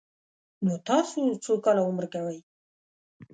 _نو تاسو څو کاله عمر کوئ؟